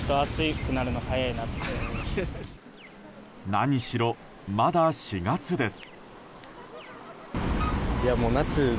何しろ、まだ４月です。